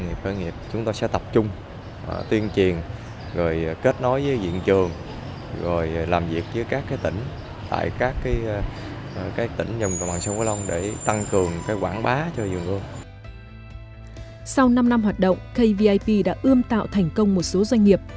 sau năm năm hoạt động kvip đã ươm tạo thành công một số doanh nghiệp